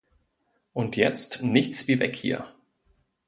Und jetzt nichts wie weg hier!